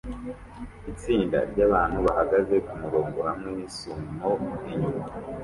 Itsinda ryabantu bahagaze kumurongo hamwe nisumo inyuma